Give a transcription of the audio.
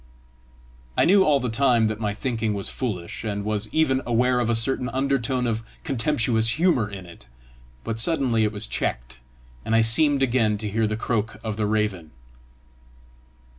I knew all the time that my thinking was foolish, and was even aware of a certain undertone of contemptuous humour in it; but suddenly it was checked, and I seemed again to hear the croak of the raven.